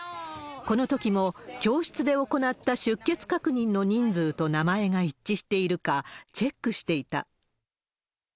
このときも教室で行った出欠確認の人数と名前が一致しているかチェックしていた。